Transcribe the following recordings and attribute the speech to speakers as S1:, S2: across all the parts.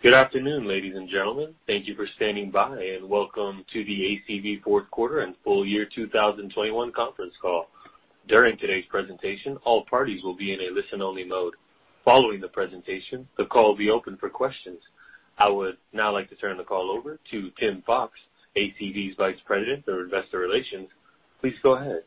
S1: Good afternoon, ladies and gentlemen. Thank you for standing by, and welcome to the ACV fourth quarter and full year 2021 conference call. During today's presentation, all parties will be in a listen-only mode. Following the presentation, the call will be open for questions. I would now like to turn the call over to Tim Fox, ACV's Vice President for Investor Relations. Please go ahead.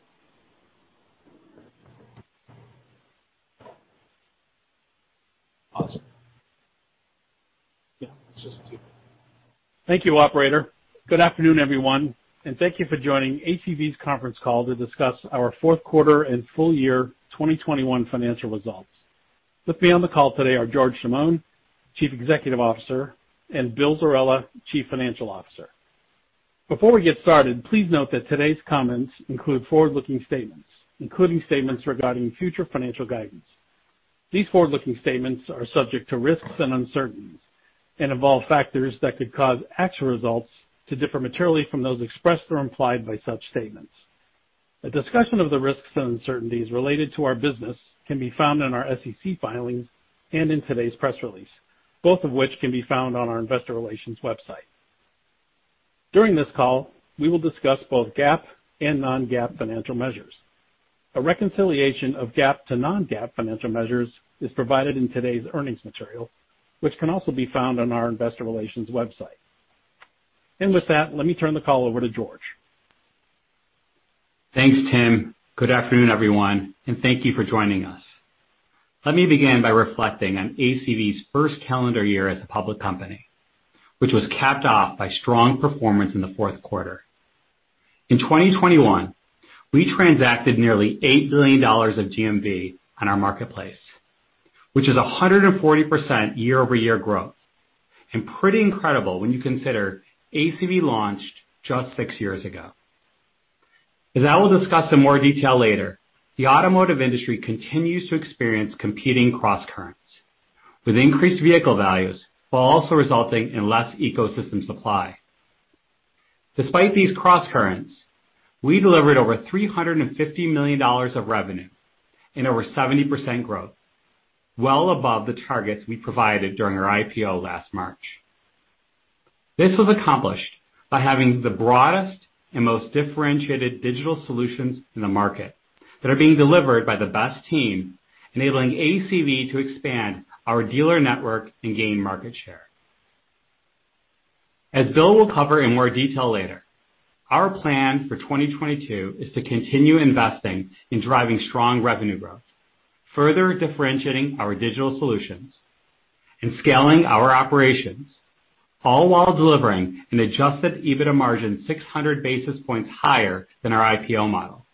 S2: Thank you, operator. Good afternoon, everyone, and thank you for joining ACV's conference call to discuss our fourth quarter and full year 2021 financial results. With me on the call today are George Chamoun, Chief Executive Officer, and Bill Zerella, Chief Financial Officer. Before we get started, please note that today's comments include forward-looking statements, including statements regarding future financial guidance. These forward-looking statements are subject to risks and uncertainties and involve factors that could cause actual results to differ materially from those expressed or implied by such statements. A discussion of the risks and uncertainties related to our business can be found in our SEC filings and in today's press release, both of which can be found on our investor relations website. During this call, we will discuss both GAAP and non-GAAP financial measures. A reconciliation of GAAP to non-GAAP financial measures is provided in today's earnings material, which can also be found on our investor relations website. With that, let me turn the call over to George.
S3: Thanks, Tim. Good afternoon, everyone, and thank you for joining us. Let me begin by reflecting on ACV's first calendar year as a public company, which was capped off by strong performance in the fourth quarter. In 2021, we transacted nearly $8 billion of GMV on our marketplace, which is 140% year-over-year growth, and pretty incredible when you consider ACV launched just six years ago. As I will discuss in more detail later, the automotive industry continues to experience competing crosscurrents with increased vehicle values while also resulting in less ecosystem supply. Despite these crosscurrents, we delivered over $350 million of revenue and over 70% growth, well above the targets we provided during our IPO last March. This was accomplished by having the broadest and most differentiated digital solutions in the market that are being delivered by the best team, enabling ACV to expand our dealer network and gain market share. As Bill will cover in more detail later, our plan for 2022 is to continue investing in driving strong revenue growth, further differentiating our digital solutions, and scaling our operations, all while delivering an adjusted EBITDA margin 600 basis points higher than our IPO model.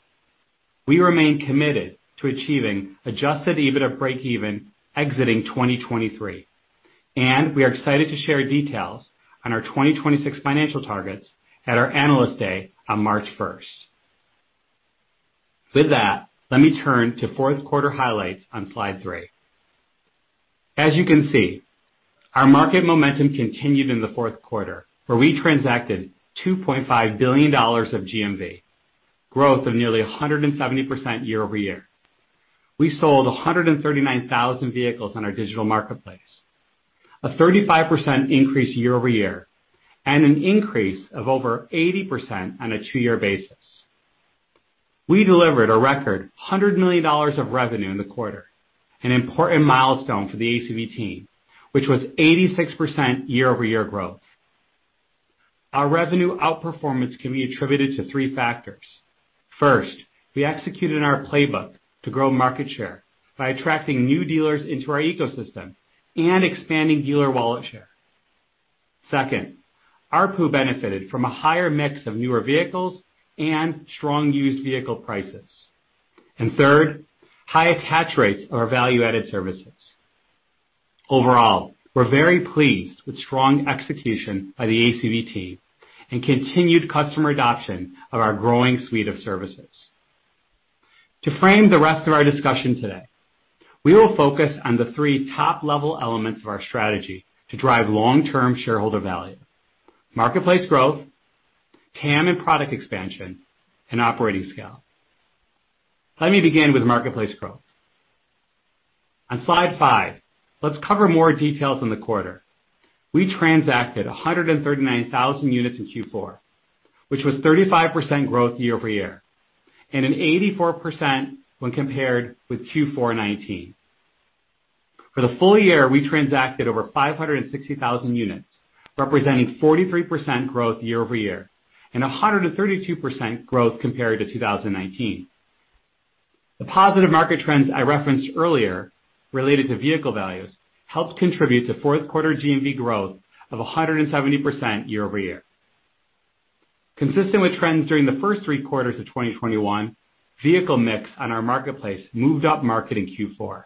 S3: We remain committed to achieving adjusted EBITDA breakeven exiting 2023, and we are excited to share details on our 2026 financial targets at our Analyst Day on March 1st. With that, let me turn to fourth quarter highlights on slide three. As you can see, our market momentum continued in the fourth quarter, where we transacted $2.5 billion of GMV, growth of nearly 170% year-over-year. We sold 139,000 vehicles on our digital marketplace, a 35% increase year-over-year, and an increase of over 80% on a two-year basis. We delivered a record $100 million of revenue in the quarter, an important milestone for the ACV team, which was 86% year-over-year growth. Our revenue outperformance can be attributed to three factors. First, we executed in our playbook to grow market share by attracting new dealers into our ecosystem and expanding dealer wallet share. Second, ARPU benefited from a higher mix of newer vehicles and strong used vehicle prices. Third, high attach rates of our value-added services. Overall, we're very pleased with strong execution by the ACV team and continued customer adoption of our growing suite of services. To frame the rest of our discussion today, we will focus on the three top-level elements of our strategy to drive long-term shareholder value, marketplace growth, TAM and product expansion, and operating scale. Let me begin with marketplace growth. On slide five, let's cover more details on the quarter. We transacted 139,000 units in Q4, which was 35% growth year-over-year, and an 84% when compared with Q4 2019. For the full year, we transacted over 560,000 units, representing 43% growth year-over-year, and a 132% growth compared to 2019. The positive market trends I referenced earlier related to vehicle values helped contribute to fourth quarter GMV growth of 170% year-over-year. Consistent with trends during the first three quarters of 2021, vehicle mix on our marketplace moved up market in Q4.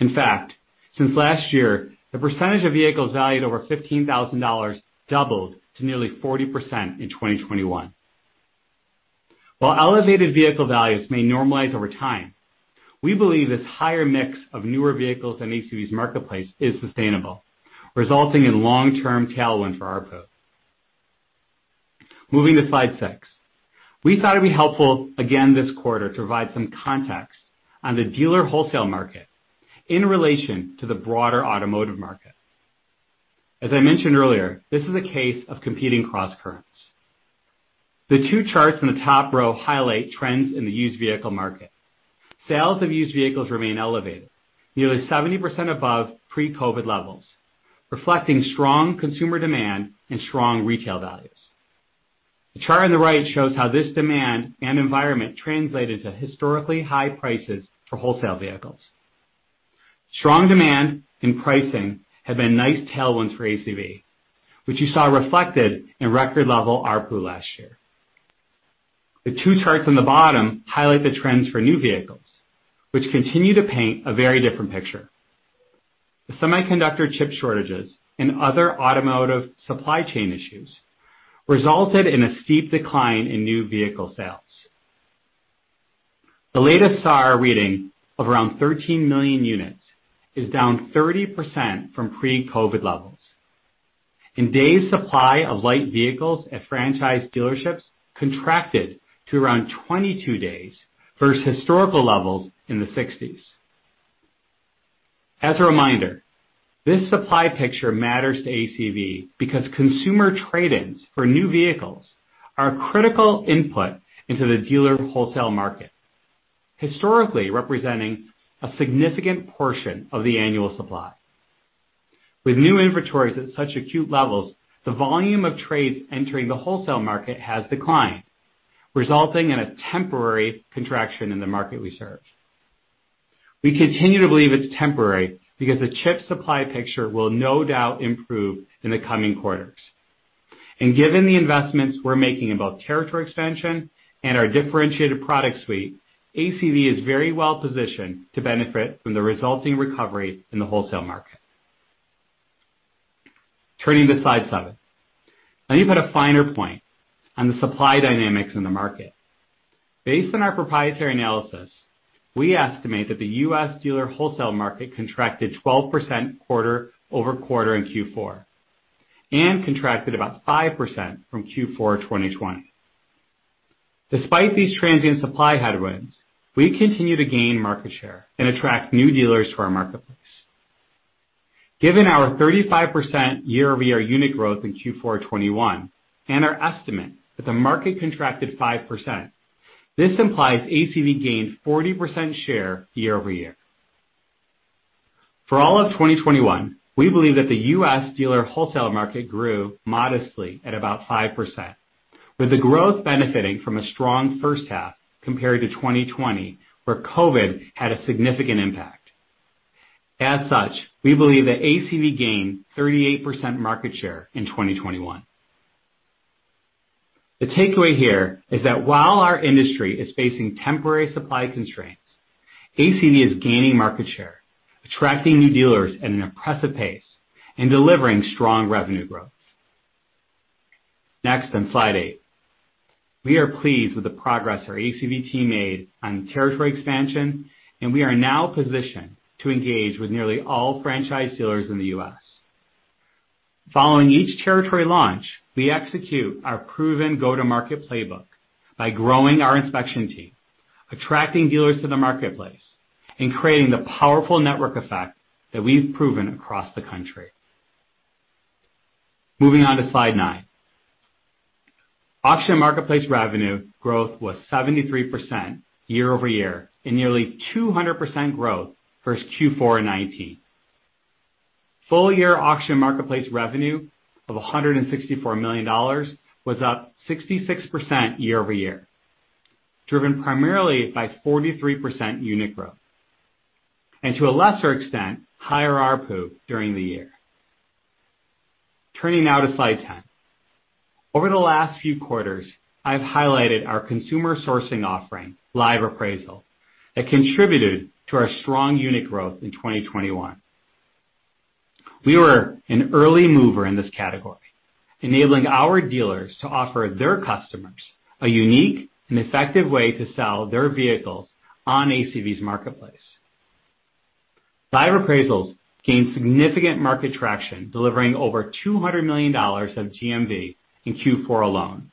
S3: In fact, since last year, the percentage of vehicles valued over $15,000 doubled to nearly 40% in 2021. While elevated vehicle values may normalize over time, we believe this higher mix of newer vehicles on ACV's marketplace is sustainable, resulting in long-term tailwind for ARPU. Moving to slide six. We thought it'd be helpful again this quarter to provide some context on the dealer wholesale market in relation to the broader automotive market. As I mentioned earlier, this is a case of competing crosscurrents. The two charts in the top row highlight trends in the used vehicle market. Sales of used vehicles remain elevated, nearly 70% above pre-COVID levels, reflecting strong consumer demand and strong retail values. The chart on the right shows how this demand and environment translated to historically high prices for wholesale vehicles. Strong demand and pricing have been nice tailwinds for ACV, which you saw reflected in record level ARPU last year. The two charts on the bottom highlight the trends for new vehicles, which continue to paint a very different picture. The semiconductor chip shortages and other automotive supply chain issues resulted in a steep decline in new vehicle sales. The latest SAR reading of around 13 million units is down 30% from pre-COVID levels, and days supply of light vehicles at franchise dealerships contracted to around 22 days versus historical levels in the 60s. As a reminder, this supply picture matters to ACV because consumer trade-ins for new vehicles are a critical input into the dealer wholesale market, historically representing a significant portion of the annual supply. With new inventories at such acute levels, the volume of trades entering the wholesale market has declined, resulting in a temporary contraction in the market we serve. We continue to believe it's temporary because the chip supply picture will no doubt improve in the coming quarters. Given the investments we're making in both territory expansion and our differentiated product suite, ACV is very well positioned to benefit from the resulting recovery in the wholesale market. Turning to slide seven. Let me put a finer point on the supply dynamics in the market. Based on our proprietary analysis, we estimate that the U.S. dealer wholesale market contracted 12% quarter-over-quarter in Q4 and contracted about 5% from Q4 2020. Despite these transient supply headwinds, we continue to gain market share and attract new dealers to our marketplace. Given our 35% year-over-year unit growth in Q4 2021 and our estimate that the market contracted 5%, this implies ACV gained 40% share year-over-year. For all of 2021, we believe that the U.S. dealer wholesale market grew modestly at about 5%, with the growth benefiting from a strong first half compared to 2020, where COVID had a significant impact. As such, we believe that ACV gained 38% market share in 2021. The takeaway here is that while our industry is facing temporary supply constraints, ACV is gaining market share, attracting new dealers at an impressive pace and delivering strong revenue growth. Next, on slide eight. We are pleased with the progress our ACV team made on territory expansion, and we are now positioned to engage with nearly all franchise dealers in the U.S. Following each territory launch, we execute our proven go-to-market playbook by growing our inspection team, attracting dealers to the marketplace, and creating the powerful network effect that we've proven across the country. Moving on to slide 9. Auction marketplace revenue growth was 73% year-over-year and nearly 200% growth versus Q4 in 2019. Full year auction marketplace revenue of $164 million was up 66% year-over-year, driven primarily by 43% unit growth and, to a lesser extent, higher ARPU during the year. Turning now to slide 10. Over the last few quarters, I've highlighted our consumer sourcing offering, Live Appraisal, that contributed to our strong unit growth in 2021. We were an early mover in this category, enabling our dealers to offer their customers a unique and effective way to sell their vehicles on ACV's marketplace. Live Appraisals gained significant market traction, delivering over $200 million of GMV in Q4 alone.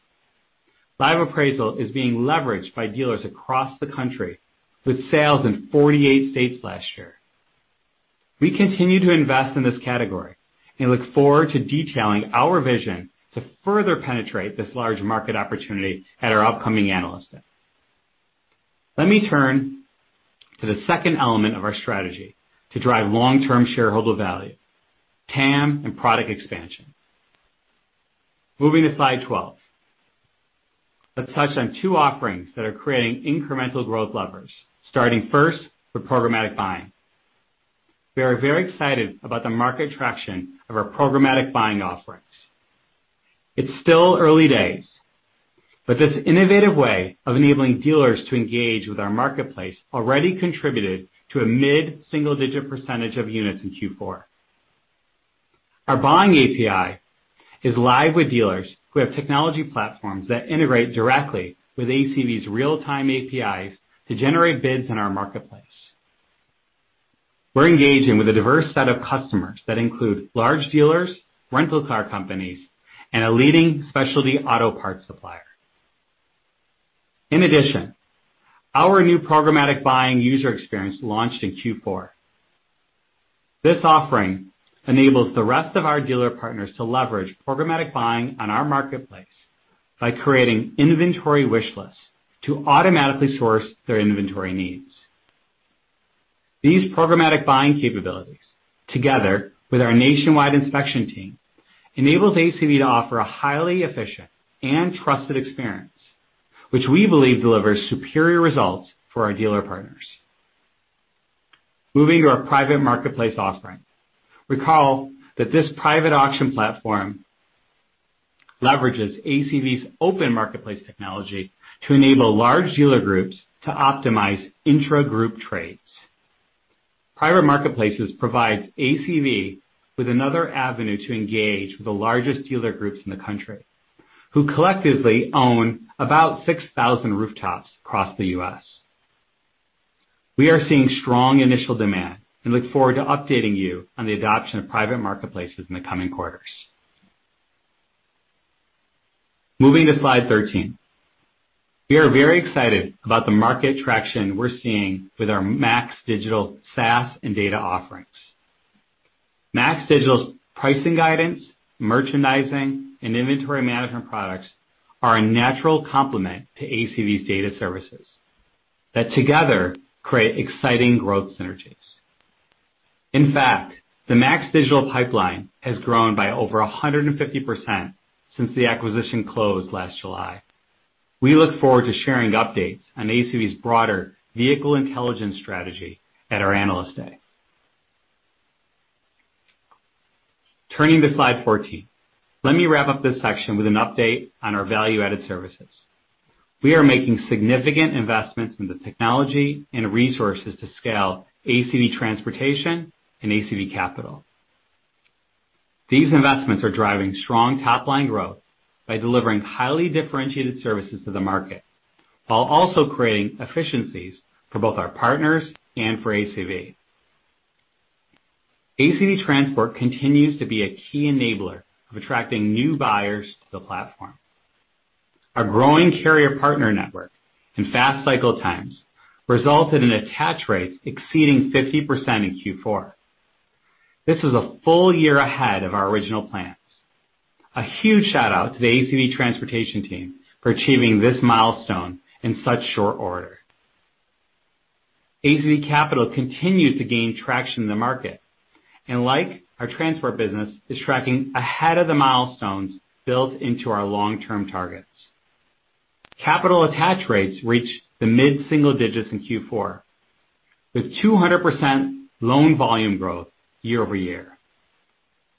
S3: Live Appraisal is being leveraged by dealers across the country, with sales in 48 states last year. We continue to invest in this category and look forward to detailing our vision to further penetrate this large market opportunity at our upcoming analyst event. Let me turn to the second element of our strategy to drive long-term shareholder value, TAM and product expansion. Moving to slide 12, let's touch on two offerings that are creating incremental growth levers, starting first with programmatic buying. We are very excited about the market traction of our programmatic buying offerings. It's still early days, but this innovative way of enabling dealers to engage with our marketplace already contributed to a mid-single-digit percentage of units in Q4. Our buying API is live with dealers who have technology platforms that integrate directly with ACV's real-time APIs to generate bids in our marketplace. We're engaging with a diverse set of customers that include large dealers, rental car companies, and a leading specialty auto parts supplier. In addition, our new programmatic buying user experience launched in Q4. This offering enables the rest of our dealer partners to leverage programmatic buying on our marketplace by creating inventory wish lists to automatically source their inventory needs. These programmatic buying capabilities, together with our nationwide inspection team, enables ACV to offer a highly efficient and trusted experience, which we believe delivers superior results for our dealer partners. Moving to our private marketplace offering. Recall that this private auction platform leverages ACV's open marketplace technology to enable large dealer groups to optimize intra-group trades. Private marketplaces provides ACV with another avenue to engage with the largest dealer groups in the country, who collectively own about 6,000 rooftops across the U.S. We are seeing strong initial demand and look forward to updating you on the adoption of private marketplaces in the coming quarters. Moving to slide 13. We are very excited about the market traction we're seeing with our MAX Digital SaaS and data offerings. MAX Digital's pricing guidance, merchandising, and inventory management products are a natural complement to ACV's data services that together create exciting growth synergies. In fact, the MAX Digital pipeline has grown by over 150% since the acquisition closed last July. We look forward to sharing updates on ACV's broader vehicle intelligence strategy at our Analyst Day. Turning to slide 14. Let me wrap up this section with an update on our value-added services. We are making significant investments in the technology and resources to scale ACV Transportation and ACV Capital. These investments are driving strong top-line growth by delivering highly differentiated services to the market, while also creating efficiencies for both our partners and for ACV. ACV Transportation continues to be a key enabler of attracting new buyers to the platform. Our growing carrier partner network and fast cycle times resulted in attach rates exceeding 50% in Q4. This is a full year ahead of our original plans. A huge shout-out to the ACV Transportation team for achieving this milestone in such short order. ACV Capital continues to gain traction in the market and, like our transport business, is tracking ahead of the milestones built into our long-term targets. Capital attach rates reached the mid-single digits in Q4, with 200% loan volume growth year-over-year.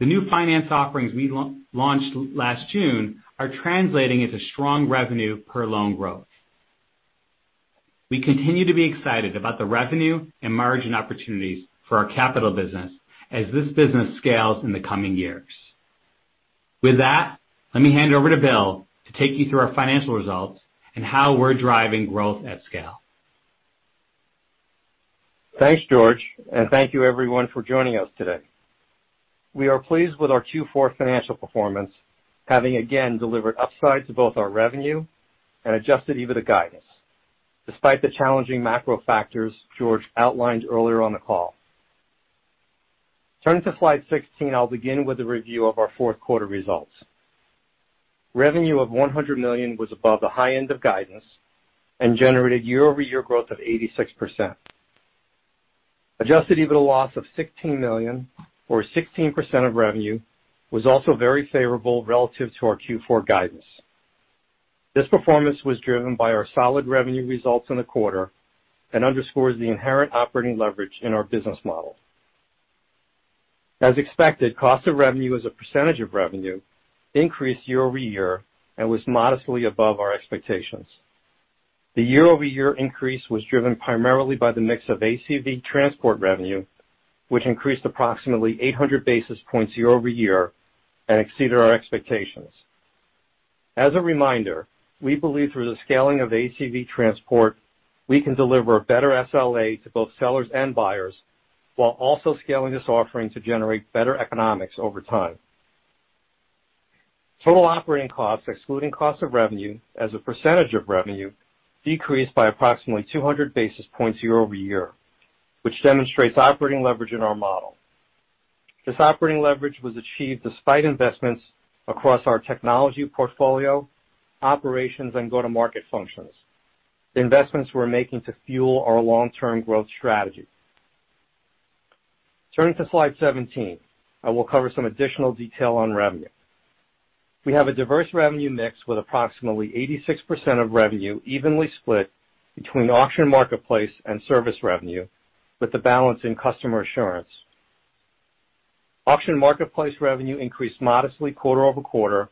S3: The new finance offerings we launched last June are translating into strong revenue per loan growth. We continue to be excited about the revenue and margin opportunities for our capital business as this business scales in the coming years. With that, let me hand over to Bill to take you through our financial results and how we're driving growth at scale.
S4: Thanks, George, and thank you everyone for joining us today. We are pleased with our Q4 financial performance, having again delivered upside to both our revenue and adjusted EBITDA guidance, despite the challenging macro factors George outlined earlier on the call. Turning to slide 16, I'll begin with a review of our fourth quarter results. Revenue of $100 million was above the high end of guidance and generated year-over-year growth of 86%. Adjusted EBITDA loss of $16 million or 16% of revenue was also very favorable relative to our Q4 guidance. This performance was driven by our solid revenue results in the quarter and underscores the inherent operating leverage in our business model. As expected, cost of revenue as a percentage of revenue increased year-over-year and was modestly above our expectations. The year-over-year increase was driven primarily by the mix of ACV Transport revenue, which increased approximately 800 basis points year-over-year and exceeded our expectations. As a reminder, we believe through the scaling of ACV Transport, we can deliver better SLA to both sellers and buyers, while also scaling this offering to generate better economics over time. Total operating costs, excluding cost of revenue as a percentage of revenue, decreased by approximately 200 basis points year-over-year, which demonstrates operating leverage in our model. This operating leverage was achieved despite investments across our technology portfolio, operations, and go-to-market functions, the investments we're making to fuel our long-term growth strategy. Turning to slide 17, I will cover some additional detail on revenue. We have a diverse revenue mix with approximately 86% of revenue evenly split between auction marketplace and service revenue, with the balance in customer assurance. Auction marketplace revenue increased modestly quarter over quarter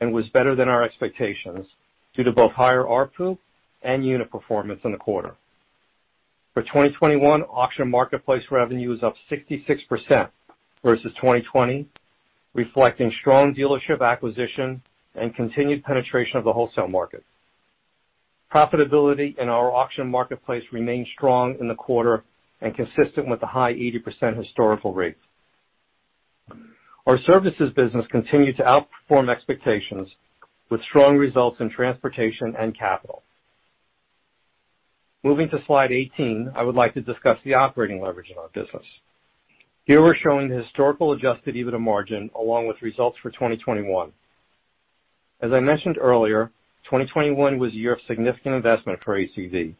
S4: and was better than our expectations due to both higher ARPU and unit performance in the quarter. For 2021, auction marketplace revenue is up 66% versus 2020, reflecting strong dealership acquisition and continued penetration of the wholesale market. Profitability in our auction marketplace remained strong in the quarter and consistent with the high 80% historical rate. Our services business continued to outperform expectations with strong results in transportation and capital. Moving to slide 18, I would like to discuss the operating leverage in our business. Here, we're showing the historical adjusted EBITDA margin along with results for 2021. As I mentioned earlier, 2021 was a year of significant investment for ACV.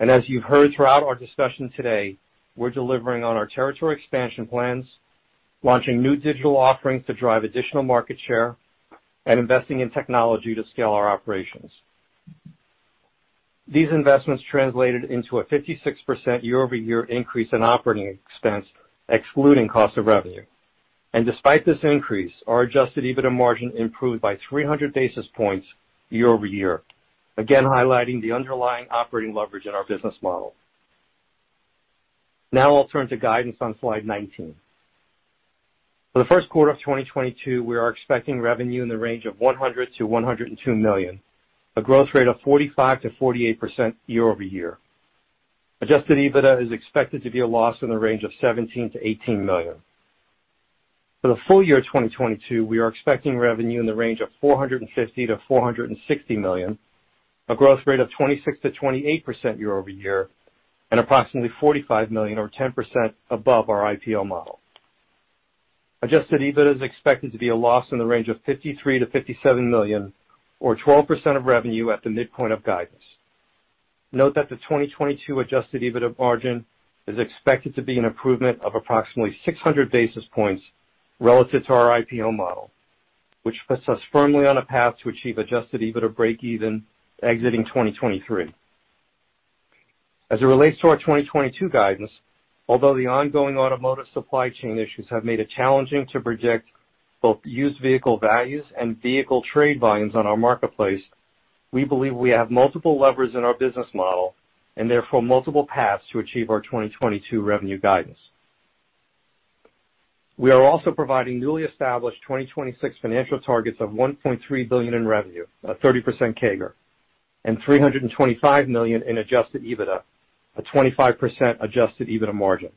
S4: As you've heard throughout our discussion today, we're delivering on our territory expansion plans, launching new digital offerings to drive additional market share, and investing in technology to scale our operations. These investments translated into a 56% year-over-year increase in operating expense, excluding cost of revenue. Despite this increase, our adjusted EBITDA margin improved by 300 basis points year-over-year, again highlighting the underlying operating leverage in our business model. Now I'll turn to guidance on slide 19. For the first quarter of 2022, we are expecting revenue in the range of $100 million-$102 million, a growth rate of 45%-48% year-over-year. Adjusted EBITDA is expected to be a loss in the range of $17 million-$18 million. For the full year 2022, we are expecting revenue in the range of $450 million-$460 million, a growth rate of 26%-28% year-over-year, and approximately $45 million or 10% above our IPO model. Adjusted EBITDA is expected to be a loss in the range of $53 million-$57 million or 12% of revenue at the midpoint of guidance. Note that the 2022 Adjusted EBITDA margin is expected to be an improvement of approximately 600 basis points relative to our IPO model, which puts us firmly on a path to achieve Adjusted EBITDA breakeven exiting 2023. As it relates to our 2022 guidance, although the ongoing automotive supply chain issues have made it challenging to predict both used vehicle values and vehicle trade volumes on our marketplace, we believe we have multiple levers in our business model and therefore multiple paths to achieve our 2022 revenue guidance. We are also providing newly established 2026 financial targets of $1.3 billion in revenue, a 30% CAGR, and $325 million in adjusted EBITDA, a 25% adjusted EBITDA margin.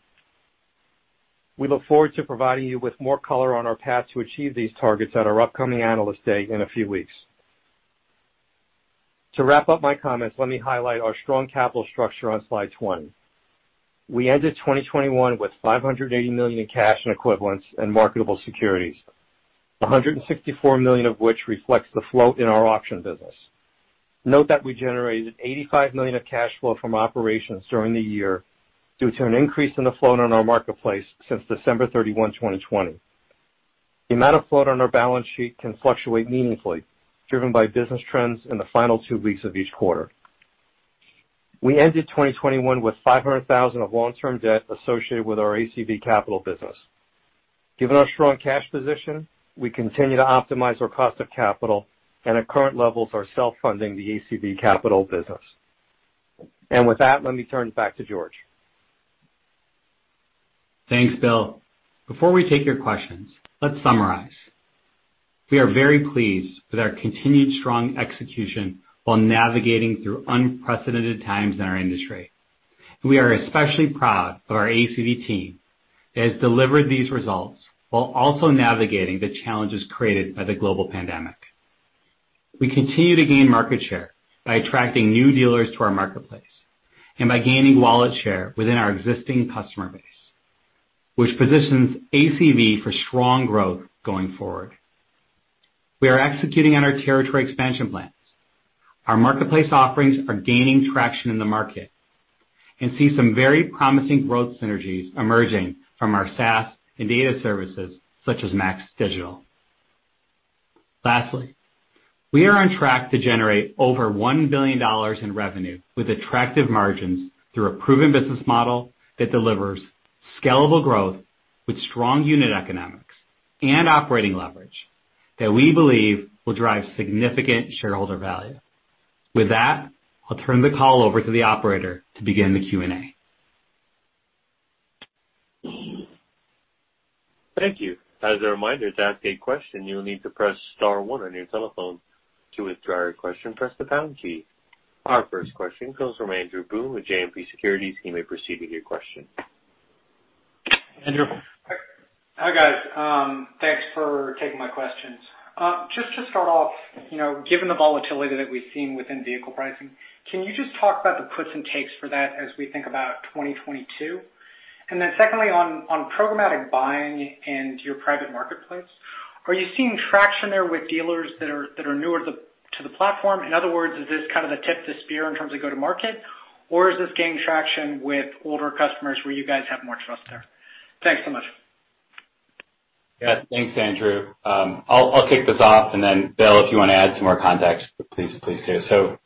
S4: We look forward to providing you with more color on our path to achieve these targets at our upcoming Analyst Day in a few weeks. To wrap up my comments, let me highlight our strong capital structure on slide 20. We ended 2021 with $580 million in cash and equivalents and marketable securities, $164 million of which reflects the float in our auction business. Note that we generated $85 million of cash flow from operations during the year due to an increase in the float on our marketplace since December 31, 2020. The amount of float on our balance sheet can fluctuate meaningfully, driven by business trends in the final two weeks of each quarter. We ended 2021 with $500,000 of long-term debt associated with our ACV Capital business. Given our strong cash position, we continue to optimize our cost of capital and at current levels are self-funding the ACV Capital business. With that, let me turn it back to George.
S3: Thanks, Bill. Before we take your questions, let's summarize. We are very pleased with our continued strong execution while navigating through unprecedented times in our industry. We are especially proud of our ACV team that has delivered these results while also navigating the challenges created by the global pandemic. We continue to gain market share by attracting new dealers to our marketplace and by gaining wallet share within our existing customer base, which positions ACV for strong growth going forward. We are executing on our territory expansion plans. Our marketplace offerings are gaining traction in the market and we see some very promising growth synergies emerging from our SaaS and data services such as MAX Digital. Lastly, we are on track to generate over $1 billion in revenue with attractive margins through a proven business model that delivers scalable growth with strong unit economics and operating leverage that we believe will drive significant shareholder value. With that, I'll turn the call over to the operator to begin the Q&A.
S1: Thank you. As a reminder, to ask a question, you will need to press star one on your telephone. To withdraw your question, press the pound key. Our first question comes from Andrew Boone with JMP Securities. You may proceed with your question.
S3: Andrew.
S4: Hi.
S5: Hi, guys. Thanks for taking my questions. Just to start off, you know, given the volatility that we've seen within vehicle pricing, can you just talk about the puts and takes for that as we think about 2022? Then secondly, on programmatic buying and your private marketplace, are you seeing traction there with dealers that are newer to the platform? In other words, is this kind of the tip of the spear in terms of go-to-market, or is this gaining traction with older customers where you guys have more trust there? Thanks so much.
S3: Yeah. Thanks, Andrew. I'll kick this off, and then Bill, if you wanna add some more context, please do.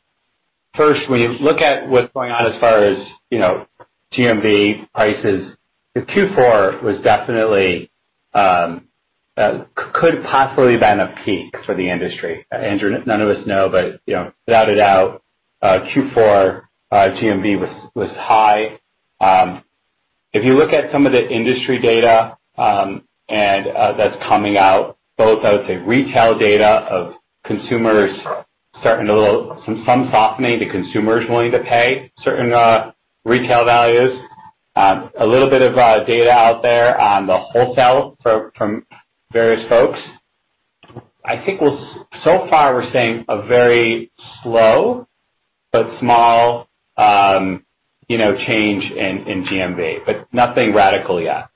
S3: First, when you look at what's going on as far as, you know, GMV prices, the Q4 was definitely could possibly have been a peak for the industry. Andrew, none of us know, but, you know, without a doubt, Q4 GMV was high. If you look at some of the industry data, and that's coming out, both I would say retail data of consumers, some softening, the consumers willing to pay certain retail values. A little bit of data out there on the wholesale from various folks. I think we're so far, we're seeing a very slow but small, you know, change in GMV, but nothing radical yet.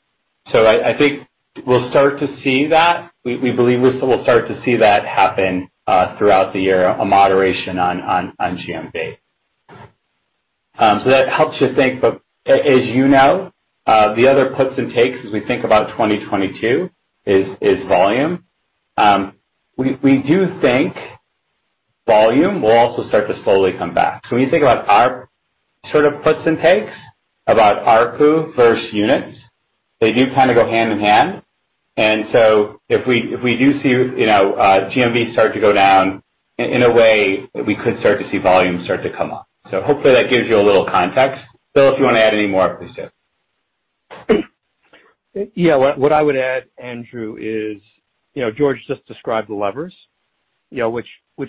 S3: I think we'll start to see that. We believe we're still starting to see that happen throughout the year, a moderation on GMV. That helps you think. As you know, the other puts and takes as we think about 2022 is volume. We do think volume will also start to slowly come back. When you think about our sort of puts and takes about ARPU versus units, they do kind of go hand in hand. If we do see, you know, GMV start to go down in a way that we could start to see volume start to come up. Hopefully that gives you a little context. Bill, if you wanna add any more, please do.
S4: What I would add, Andrew, is, you know, George just described the levers, you know, which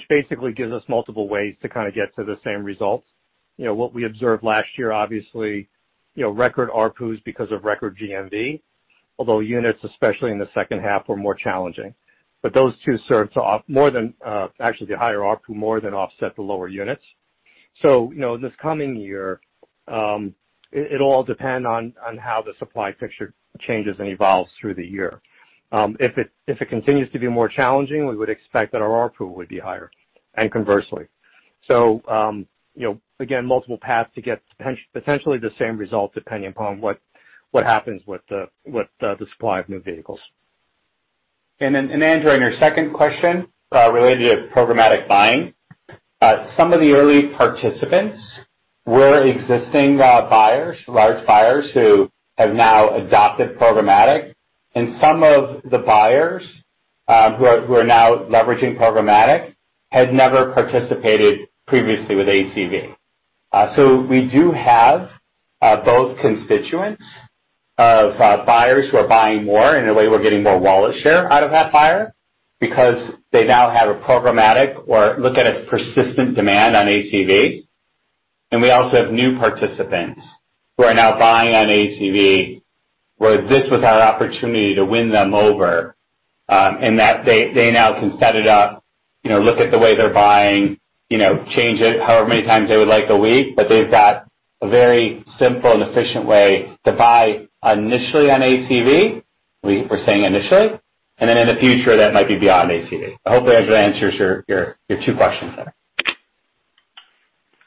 S4: basically gives us multiple ways to kind of get to the same results. You know, what we observed last year, obviously, you know, record ARPUs because of record GMV, although units, especially in the second half, were more challenging. Those two, actually, the higher ARPU more than offset the lower units. You know, this coming year, it'll all depend on how the supply picture changes and evolves through the year. If it continues to be more challenging, we would expect that our ARPU would be higher, and conversely. You know, again, multiple paths to get potentially the same results depending upon what happens with the supply of new vehicles.
S3: Andrew, on your second question, related to programmatic buying, some of the early participants were existing buyers, large buyers who have now adopted programmatic, and some of the buyers who are now leveraging programmatic had never participated previously with ACV. We do have both constituents of buyers who are buying more. In a way, we're getting more wallet share out of that buyer because they now have a programmatic or look at a persistent demand on ACV. We also have new participants who are now buying on ACV, where this was our opportunity to win them over, in that they now can set it up, you know, look at the way they're buying, you know, change it however many times they would like a week, but they've got a very simple and efficient way to buy initially on ACV. We're saying initially. Then in the future, that might be beyond ACV. Hopefully that answers your two questions there.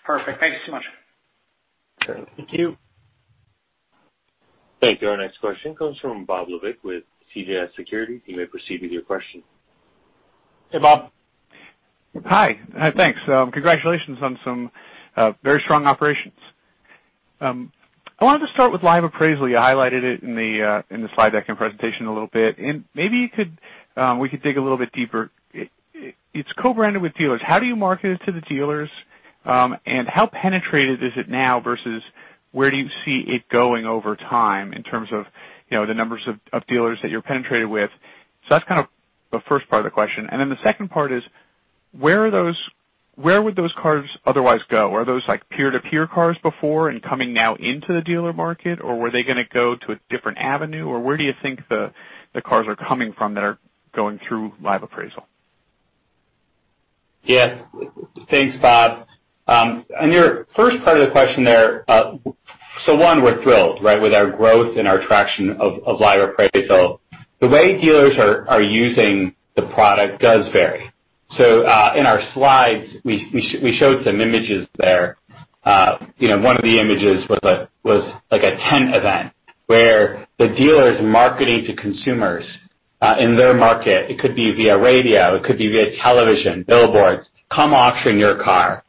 S5: Perfect. Thank you so much.
S3: Sure.
S4: Thank you.
S1: Thank you. Our next question comes from Bob Labick with CJS Securities. You may proceed with your question.
S3: Hey, Bob.
S6: Hi. Thanks. Congratulations on some very strong operations. I wanted to start with Live Appraisal. You highlighted it in the slide deck and presentation a little bit. Maybe you could, we could dig a little bit deeper. It's co-branded with dealers. How do you market it to the dealers, and how penetrated is it now versus where do you see it going over time in terms of, you know, the numbers of dealers that you're penetrated with? That's kind of the first part of the question. Then the second part is, where are those? Where would those cars otherwise go? Are those, like, peer-to-peer cars before and coming now into the dealer market, or were they gonna go to a different avenue, or where do you think the cars are coming from that are going through Live Appraisal?
S3: Yes. Thanks, Bob. On your first part of the question there, so one, we're thrilled, right, with our growth and our traction of Live Appraisal. The way dealers are using the product does vary. In our slides, we showed some images there. You know, one of the images was like a tent event where the dealer is marketing to consumers in their market. It could be via radio, it could be via television, billboards, come auction your car.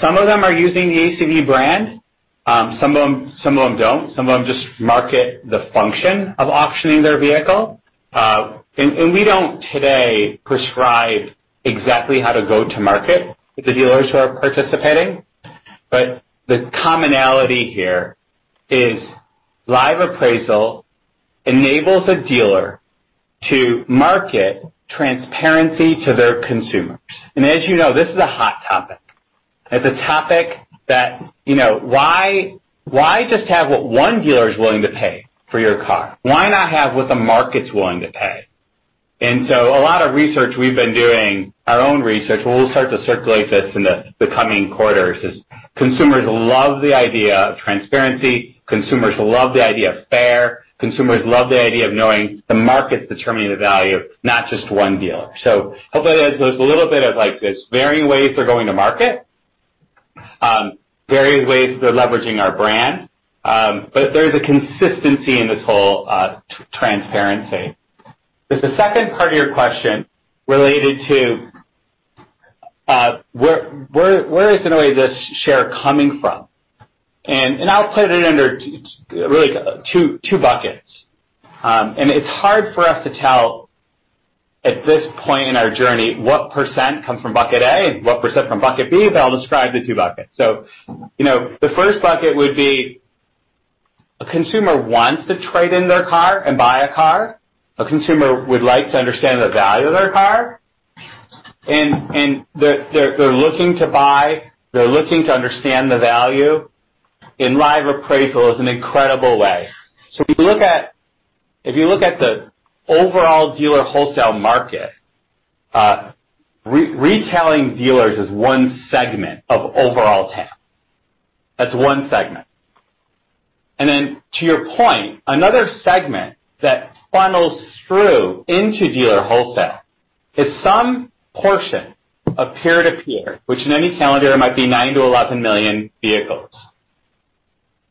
S3: Some of them are using the ACV brand. Some of them don't. Some of them just market the function of auctioning their vehicle. And we don't today prescribe exactly how to go to market with the dealers who are participating. The commonality here is Live Appraisal enables a dealer to market transparency to their consumers. As you know, this is a hot topic. It's a topic that, you know, why just have what one dealer is willing to pay for your car? Why not have what the market's willing to pay? A lot of research we've been doing, our own research, we'll start to circulate this in the coming quarters, is consumers love the idea of transparency. Consumers love the idea of fair. Consumers love the idea of knowing the market's determining the value, not just one dealer. Hopefully there's a little bit of, like, there's varying ways they're going to market, varying ways they're leveraging our brand. But there's a consistency in this whole transparency. The second part of your question related to where is kinda this share coming from? And I'll put it under really two buckets. It's hard for us to tell at this point in our journey what percent comes from bucket A and what percent from bucket B. I'll describe the two buckets. You know, the first bucket would be a consumer wants to trade in their car and buy a car. A consumer would like to understand the value of their car, and they're looking to buy, they're looking to understand the value, and Live Appraisal is an incredible way. If you look at the overall dealer wholesale market, retailing dealers is one segment of overall TAM. That's one segment. Then to your point, another segment that funnels through into dealer wholesale is some portion of peer-to-peer, which in any calendar year might be 9 million-11 million vehicles.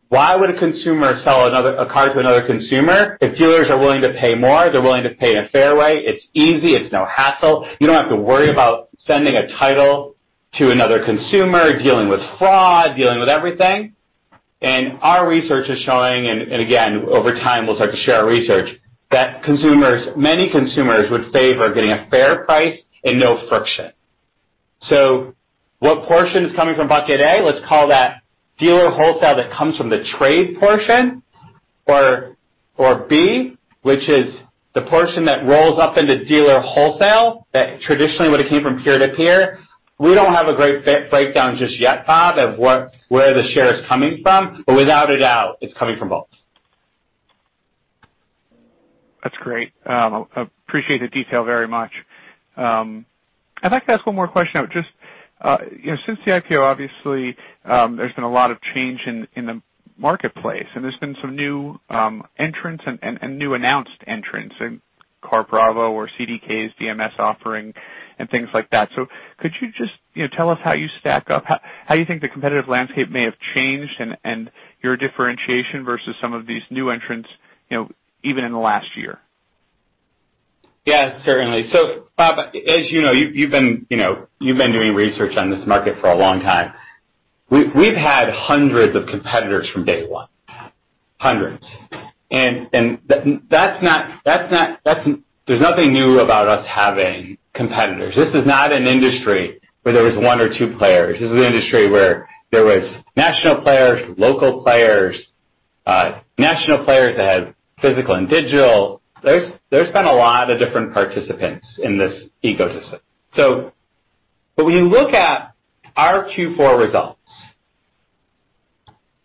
S3: Why would a consumer sell a car to another consumer if dealers are willing to pay more, they're willing to pay in a fair way? It's easy. It's no hassle. You don't have to worry about sending a title to another consumer, dealing with fraud, dealing with everything. Our research is showing, and again, over time, we'll start to share our research, that consumers, many consumers would favor getting a fair price and no friction. What portion is coming from bucket A? Let's call that dealer wholesale that comes from the trade portion. Or B, which is the portion that rolls up into dealer wholesale that traditionally would have came from peer-to-peer. We don't have a great breakdown just yet, Bob, of where the share is coming from, but without a doubt, it's coming from both.
S6: That's great. Appreciate the detail very much. I'd like to ask one more question. I would just, you know, since the IPO, obviously, there's been a lot of change in the marketplace, and there's been some new entrants and new announced entrants in CarBravo or CDK's DMS offering and things like that. So could you just, you know, tell us how you stack up, how you think the competitive landscape may have changed and your differentiation versus some of these new entrants, you know, even in the last year?
S3: Yeah, certainly. Bob, as you know, you've been, you know, doing research on this market for a long time. We've had hundreds of competitors from day one. Hundreds. There's nothing new about us having competitors. This is not an industry where there was one or two players. This is an industry where there was national players, local players, national players that had physical and digital. There's been a lot of different participants in this ecosystem. When you look at our Q4 results,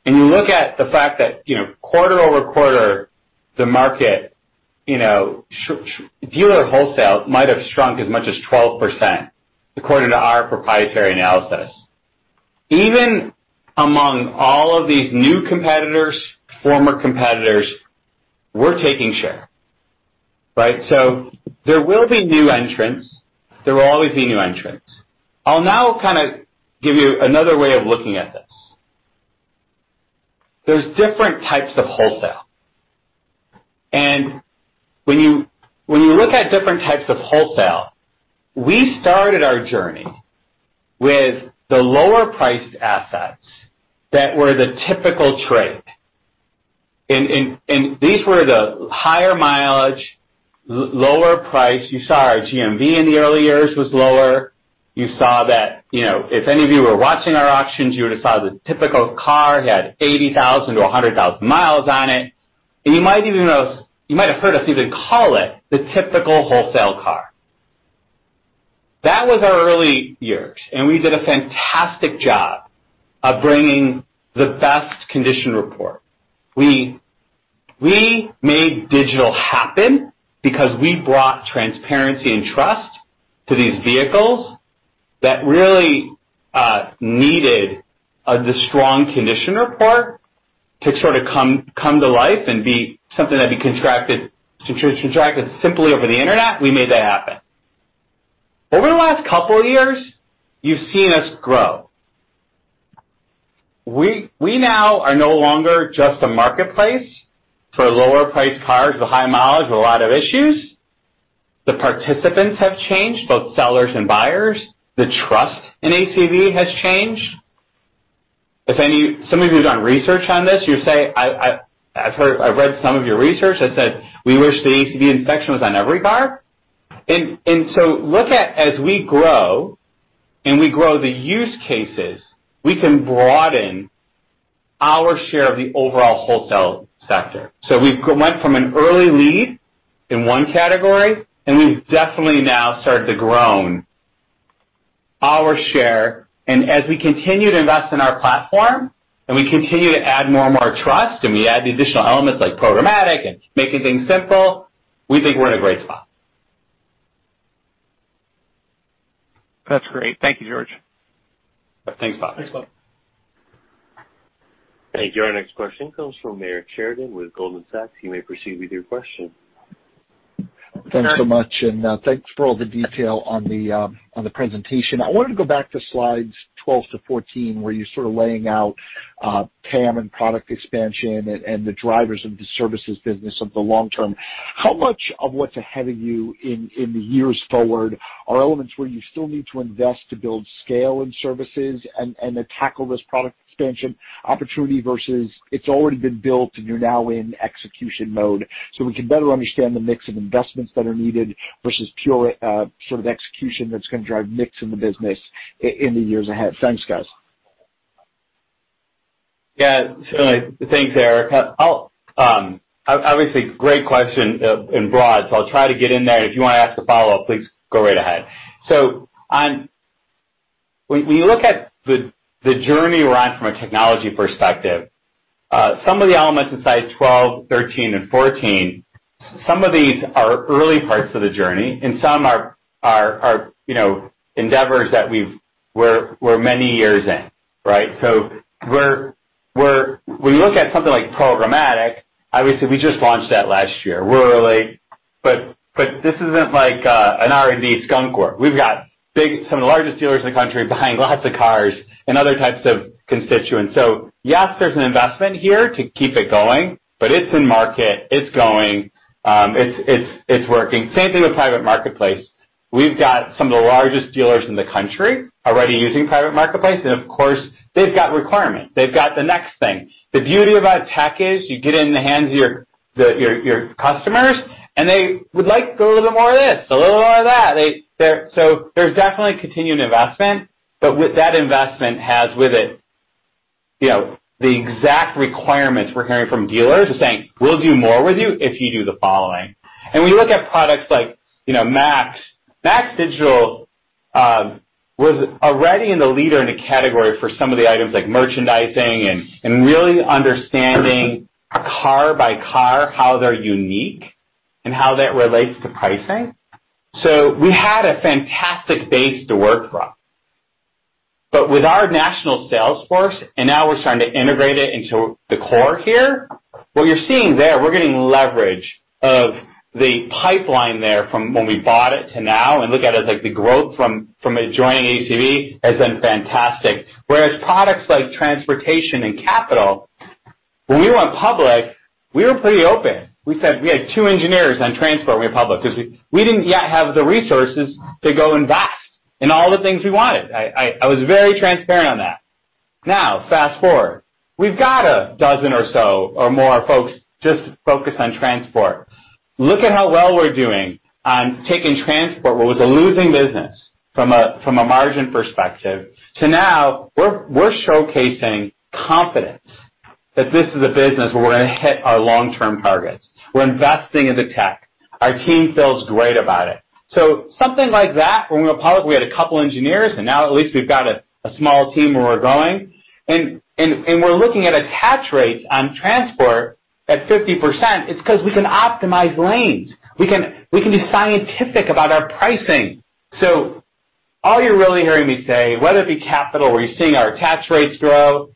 S3: and you look at the fact that, you know, quarter-over-quarter, the market, you know, Dealer wholesale might have shrunk as much as 12% according to our proprietary analysis. Even among all of these new competitors, former competitors, we're taking share, right? There will be new entrants. There will always be new entrants. I'll now kind of give you another way of looking at this. There's different types of wholesale. When you look at different types of wholesale, we started our journey with the lower priced assets that were the typical trade. These were the higher mileage, lower price. You saw our GMV in the early years was lower. You saw that, you know, if any of you were watching our auctions, you would have saw the typical car had 80,000-100,000 miles on it. You might have heard us even call it the typical wholesale car. That was our early years, and we did a fantastic job of bringing the best condition report. We made digital happen because we brought transparency and trust to these vehicles that really needed a strong condition report to sort of come to life and be something that'd be contracted simply over the Internet. We made that happen. Over the last couple years, you've seen us grow. We now are no longer just a marketplace for lower priced cars with high mileage with a lot of issues. The participants have changed, both sellers and buyers. The trust in ACV has changed. Some of you who've done research on this, I've read some of your research that said we wish the ACV inspection was on every car. Look at as we grow the use cases, we can broaden our share of the overall wholesale sector. We've gone from an early lead in one category, and we've definitely now started to grow our share. As we continue to invest in our platform and we continue to add more and more trust, and we add the additional elements like programmatic and making things simple, we think we're in a great spot.
S6: That's great. Thank you, George.
S3: Thanks, Bob.
S4: Thanks, Bob.
S1: Thank you. Our next question comes from Eric Sheridan with Goldman Sachs. You may proceed with your question.
S7: Thanks so much, and thanks for all the detail on the presentation. I wanted to go back to slides 12-14, where you're sort of laying out TAM and product expansion and the drivers of the services business of the long term. How much of what's ahead of you in the years forward are elements where you still need to invest to build scale in services and to tackle this product expansion opportunity versus it's already been built and you're now in execution mode? We can better understand the mix of investments that are needed versus pure sort of execution that's gonna drive mix in the business in the years ahead. Thanks, guys.
S3: Certainly. Thanks, Eric. Obviously, great question, and broad, so I'll try to get in there. If you wanna ask a follow-up, please go right ahead. When you look at the journey we're on from a technology perspective, some of the elements in slides 12, 13, and 14, some of these are early parts of the journey, and some are, you know, endeavors that we're many years in, right? When you look at something like programmatic, obviously we just launched that last year. We're early, but this isn't like an R&D skunkworks. We've got some of the largest dealers in the country buying lots of cars and other types of constituents. Yes, there's an investment here to keep it going, but it's in market. It's going. It's working. Same thing with private marketplace. We've got some of the largest dealers in the country already using private marketplace, and of course they've got requirements. They've got the next thing. The beauty about tech is you get it in the hands of your customers, and they would like a little more of this, a little more of that. So there's definitely continued investment, but with that investment has with it, you know, the exact requirements we're hearing from dealers who are saying, "We'll do more with you if you do the following." When you look at products like, you know, MAX Digital, was already a leader in the category for some of the items like merchandising and really understanding car-by-car, how they're unique and how that relates to pricing. We had a fantastic base to work from. With our national sales force, and now we're starting to integrate it into the core here, what you're seeing there, we're getting leverage of the pipeline there from when we bought it to now, and look at it like the growth from adding to ACV has been fantastic. Whereas products like transportation and capital, when we went public, we were pretty open. We said we had two engineers on transport when we went public 'cause we didn't yet have the resources to go invest in all the things we wanted. I was very transparent on that. Now, fast-forward, we've got a dozen or so or more folks just focused on transport. Look at how well we're doing on taking transport, what was a losing business from a margin perspective to now we're showcasing confidence that this is a business where we're gonna hit our long-term targets. We're investing in the tech. Our team feels great about it. Something like that, when we went public, we had a couple engineers, and now at least we've got a small team where we're growing. We're looking at attach rates on transport at 50% it's 'cause we can optimize lanes. We can be scientific about our pricing. All you're really hearing me say, whether it be capital, where you're seeing our attach rates grow,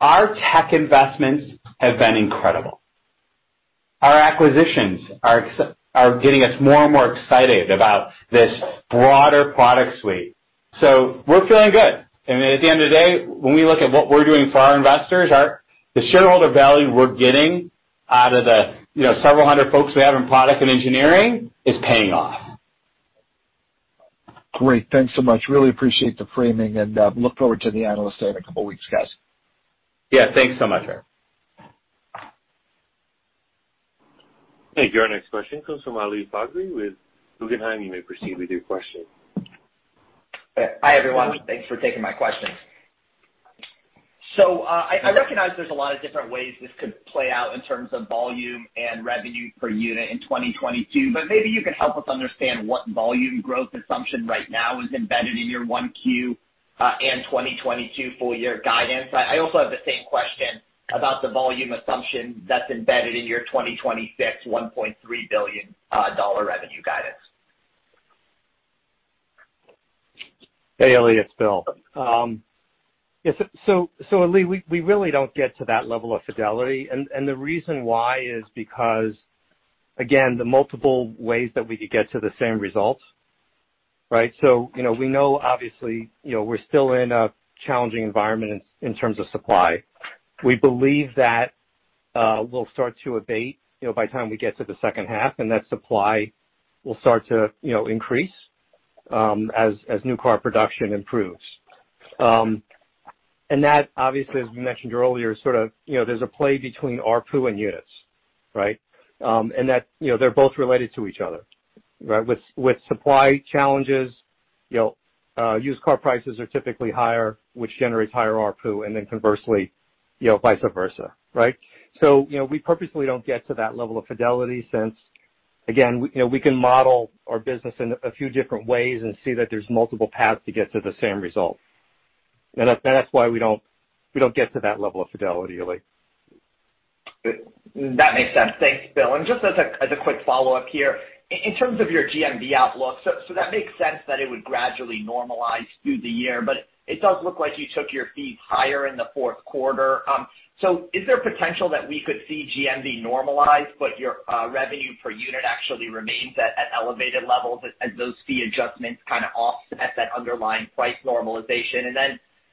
S3: our tech investments have been incredible. Our acquisitions are getting us more and more excited about this broader product suite. We're feeling good. At the end of the day, when we look at what we're doing for our investors, the shareholder value we're getting out of the, you know, several hundred folks we have in product and engineering is paying off.
S7: Great. Thanks so much. I really appreciate the framing, and I look forward to the Analyst Day in a couple weeks, guys.
S3: Yeah. Thanks so much, Eric.
S1: Thank you. Our next question comes from Ali Faghri with Guggenheim. You may proceed with your question.
S8: Hi, everyone. Thanks for taking my questions. I recognize there's a lot of different ways this could play out in terms of volume and revenue per unit in 2022, but maybe you could help us understand what volume growth assumption right now is embedded in your Q1 and 2022 full year guidance. I also have the same question about the volume assumption that's embedded in your 2026 $1.3 billion revenue guidance.
S4: Hey, Ali. It's Bill. So, Ali, we really don't get to that level of fidelity. And the reason why is because, again, the multiple ways that we could get to the same results, right? You know, we know obviously, you know, we're still in a challenging environment in terms of supply. We believe that we'll start to abate, you know, by the time we get to the second half, and that supply will start to, you know, increase as new car production improves. And that obviously, as we mentioned earlier, sort of, you know, there's a play between ARPU and units, right? And that, you know, they're both related to each other, right? With supply challenges, you know, used car prices are typically higher, which generates higher ARPU, and then conversely, you know, vice versa, right? You know, we purposely don't get to that level of fidelity since again, we, you know, we can model our business in a few different ways and see that there's multiple paths to get to the same result. That's why we don't get to that level of fidelity, Ali.
S8: That makes sense. Thanks, Bill. Just as a quick follow-up here, in terms of your GMV outlook, so that makes sense that it would gradually normalize through the year, but it does look like you took your fees higher in the fourth quarter. Is there potential that we could see GMV normalize but your revenue per unit actually remains at elevated levels as those fee adjustments kind of offset that underlying price normalization?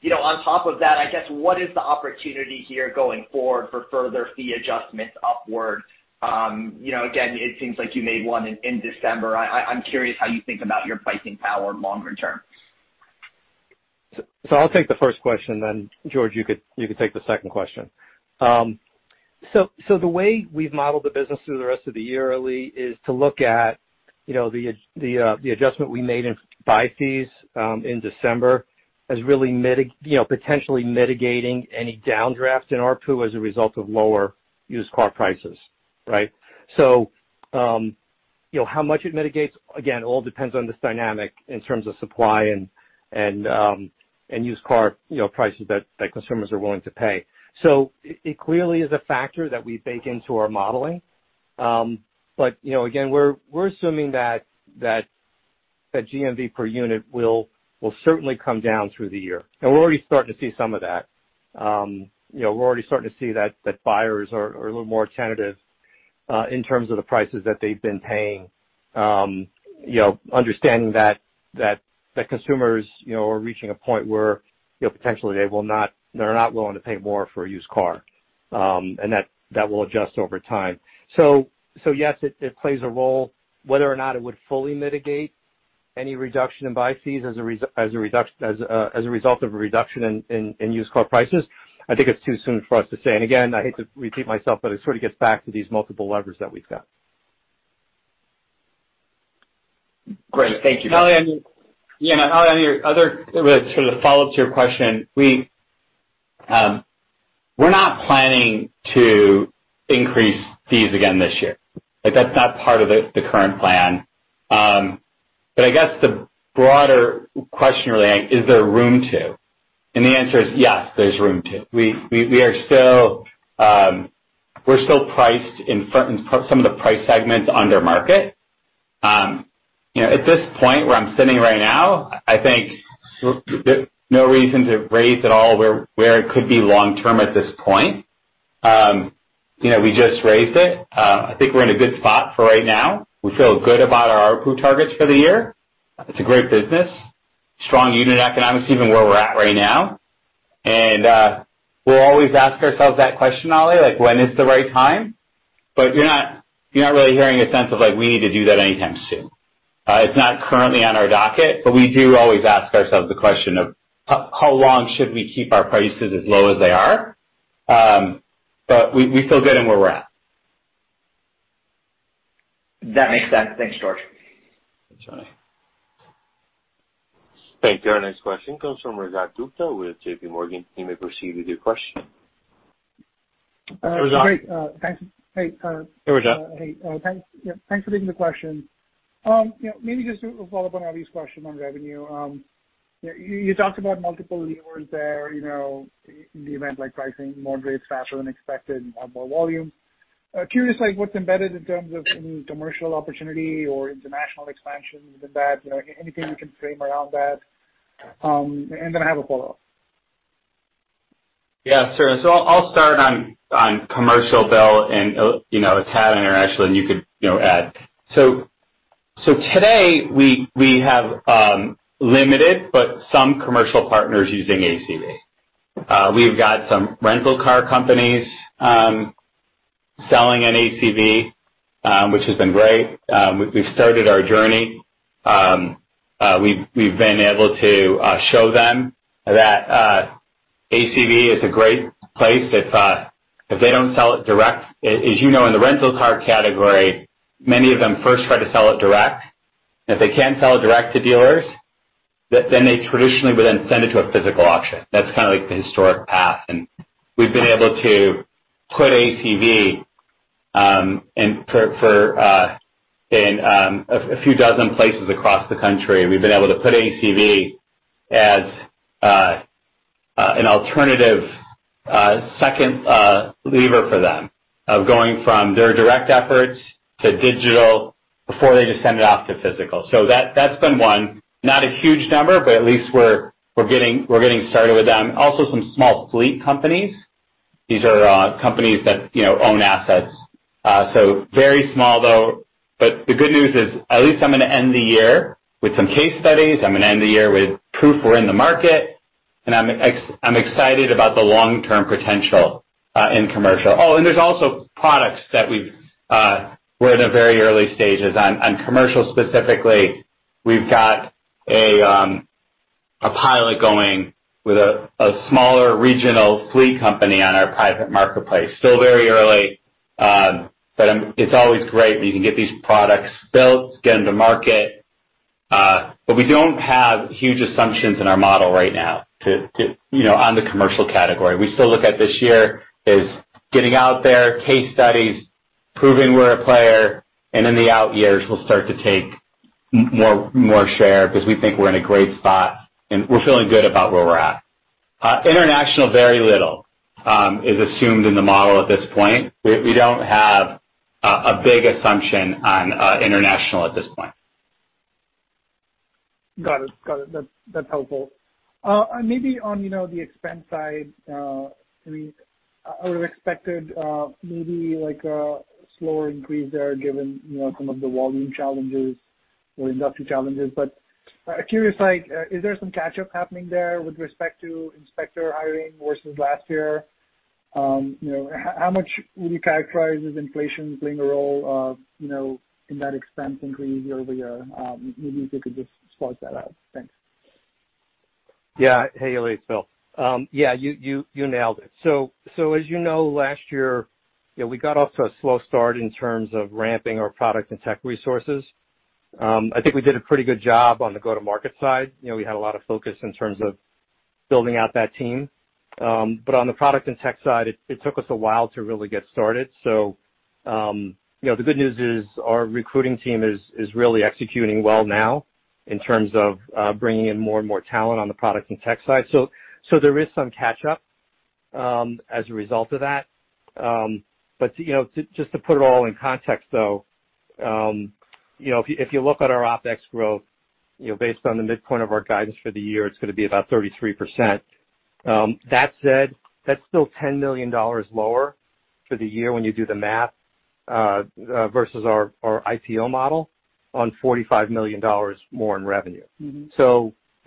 S8: You know, on top of that, I guess, what is the opportunity here going forward for further fee adjustments upward? You know, again, it seems like you made one in December. I'm curious how you think about your pricing power longer term.
S4: I'll take the first question then George, you could take the second question. The way we've modeled the business through the rest of the year, Ali, is to look at, you know, the adjustment we made in buy fees in December as really, you know, potentially mitigating any downdraft in ARPU as a result of lower used car prices, right? You know, how much it mitigates, again, all depends on this dynamic in terms of supply and used car, you know, prices that consumers are willing to pay. It clearly is a factor that we bake into our modeling. You know, again, we're assuming that GMV per unit will certainly come down through the year. We're already starting to see some of that. You know, we're already starting to see that buyers are a little more tentative in terms of the prices that they've been paying. You know, understanding that consumers you know, are reaching a point where, you know, potentially they're not willing to pay more for a used car, and that will adjust over time. Yes, it plays a role. Whether or not it would fully mitigate any reduction in buy fees as a result of a reduction in used car prices, I think it's too soon for us to say. Again, I hate to repeat myself, but it sort of gets back to these multiple levers that we've got.
S8: Great. Thank you.
S3: Ali, I mean, you know, on your other sort of follow-up to your question. We're not planning to increase fees again this year. Like, that's not part of the current plan. I guess the broader question really is there room to? The answer is yes, there's room to. We're still priced in front, some of the price segments under market. You know, at this point where I'm sitting right now, I think there's no reason to raise at all where it could be long term at this point. You know, we just raised it. I think we're in a good spot right now. We feel good about our ARPU targets for the year. It's a great business. Strong unit economics, even where we're at right now. We'll always ask ourselves that question, Ali, like when is the right time? You're not really hearing a sense of like, we need to do that anytime soon. It's not currently on our docket, but we do always ask ourselves the question of how long should we keep our prices as low as they are? We feel good in where we're at.
S8: That makes sense. Thanks, George.
S3: Thanks, Ali.
S1: Thank you. Our next question comes from Rajat Gupta with JPMorgan. You may proceed with your question.
S3: Raj?
S9: Great. Thanks. Hey
S3: Hey, Raj.
S9: Hey, thanks. Yeah, thanks for taking the question. You know, maybe just to follow up on Ali's question on revenue. You talked about multiple levers there, you know, in the event like pricing, more trades faster than expected and have more volume. Curious, like what's embedded in terms of any commercial opportunity or international expansion with that? You know, anything you can frame around that. And then I have a follow-up.
S3: Yeah, sure. I'll start on commercial, Bill, and, you know, if Tavin or Ashley you could, you know, add. Today we have limited but some commercial partners using ACV. We've got some rental car companies selling on ACV, which has been great. We've started our journey. We've been able to show them that ACV is a great place if they don't sell it direct. As you know, in the rental car category, many of them first try to sell it direct. If they can't sell it direct to dealers, then they traditionally would send it to a physical auction. That's kind of like the historic path. We've been able to put ACV in a few dozen places across the country. We've been able to put ACV as an alternative second lever for them of going from their direct efforts to digital before they just send it off to physical. That's been one. Not a huge number, but at least we're getting started with them. Also some small fleet companies. These are companies that, you know, own assets. Very small though, but the good news is at least I'm gonna end the year with some case studies. I'm gonna end the year with proof we're in the market, and I'm excited about the long-term potential in commercial. Oh, and there's also products that we're in a very early stages on. On commercial specifically, we've got a pilot going with a smaller regional fleet company on our private marketplace. Still very early. It's always great when you can get these products built, get them to market, but we don't have huge assumptions in our model right now to you know, on the commercial category. We still look at this year as getting out there, case studies, proving we're a player, and in the out years we'll start to take more share because we think we're in a great spot and we're feeling good about where we're at. International, very little, is assumed in the model at this point. We don't have a big assumption on international at this point.
S9: Got it. That's helpful. Maybe on, you know, the expense side, I mean, I would've expected maybe like a slower increase there given, you know, some of the volume challenges or industry challenges. Curious, like, is there some catch-up happening there with respect to inspector hiring versus last year? You know, how much would you characterize as inflation playing a role, you know, in that expense increase year over year? Maybe if you could just spot that out. Thanks.
S4: Yeah. Hey, Raj, it's Bill. Yeah, you nailed it. As you know, last year, you know, we got off to a slow start in terms of ramping our product and tech resources. I think we did a pretty good job on the go-to-market side. You know, we had a lot of focus in terms of building out that team. On the product and tech side, it took us a while to really get started. You know, the good news is our recruiting team is really executing well now in terms of bringing in more and more talent on the product and tech side. There is some catch up as a result of that. You know, to put it all in context though, you know, if you look at our OpEx growth, you know, based on the midpoint of our guidance for the year, it's gonna be about 33%. That said, that's still $10 million lower for the year when you do the math, versus our IPO model on $45 million more in revenue. You